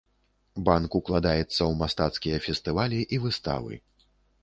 Банк укладаецца ў мастацкія фестывалі і выставы.